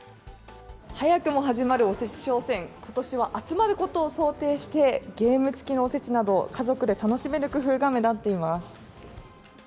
早くも始まるおせち商戦、ことしは集まることを想定して、ゲーム付きのおせちなど、家族で楽しめる工夫が目立っています。